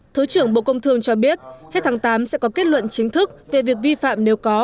thứ trưởng bộ công thương cho biết hết tháng tám sẽ có kết luận chính thức về việc vi phạm nếu có